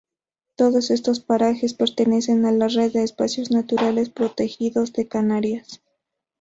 Todos estos parajes pertenecen a la Red de Espacios Naturales Protegidos de Canarias.